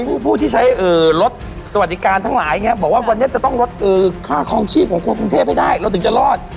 ผู้ที่ใช้รถสวัสดิการทั้งหลายไงบอกว่าวันนี้จะต้องลดค่าคลองชีพของคนกรุงเทพให้ได้เราถึงจะรอด